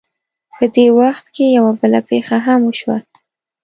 په دې وخت کې یوه بله پېښه هم وشوه.